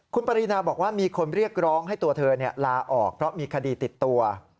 คุณปรินาบอกว่ามีคนเรียกร้องให้ตัวเธอลาออกเพราะมีคดีติดตัว